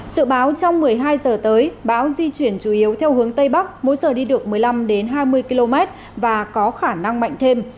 sự báo trong một mươi hai giờ tới bão di chuyển chủ yếu theo hướng tây bắc mỗi giờ đi được một mươi năm hai mươi km và có khả năng mạnh thêm